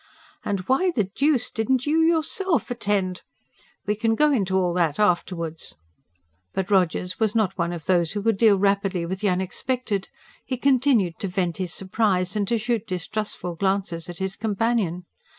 And why the deuce didn't you yourself attend " "We can go into all that afterwards." But Rogers was not one of those who could deal rapidly with the unexpected: he continued to vent his surprise, and to shoot distrustful glances at his companion.